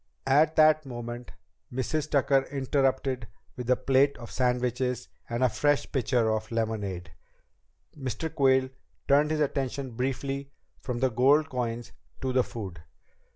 At that moment Mrs. Tucker interrupted with a plate of sandwiches and a fresh pitcher of lemonade. Mr. Quayle turned his attention briefly from the gold coins to the food.